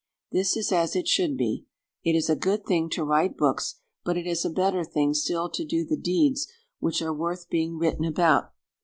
This is as it should be. It is a good thing to write books, but it is a better thing still to do the deeds which are worth being written about.